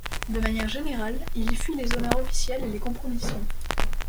De manière générale, il fuit les honneurs officiels et les compromissions.